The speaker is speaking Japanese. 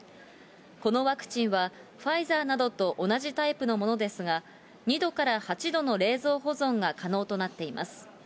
このワクチンはファイザーなどと同じタイプのものですが、２度から８度の保存が可能となっています。